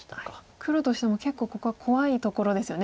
黒としても結構ここは怖いところですよね。